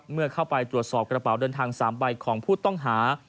เมื่อเข้าไปตรวจสอบกระเป๋าเดินทาง๓ใบของผู้ต้องหา